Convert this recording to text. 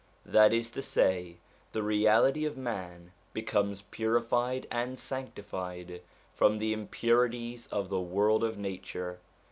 That is to say, the reality of man becomes purified and sanctified from the impurities of the world of nature.